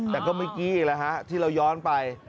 แต่ก็เมื่อกี้อีกแล้วที่เราย้อนไป